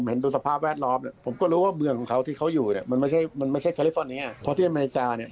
เพราะว่าสิ่งที่เขาก็ทำมันไม่ได้ช่วยแตงโมเลย